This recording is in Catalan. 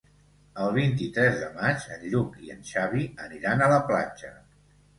El vint-i-tres de maig en Lluc i en Xavi aniran a la platja.